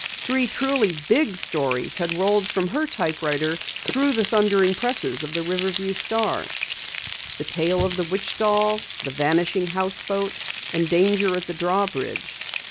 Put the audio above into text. Three truly "big" stories had rolled from her typewriter through the thundering presses of the Riverview Star: Tale of the Witch Doll, The Vanishing Houseboat, and Danger at the Drawbridge.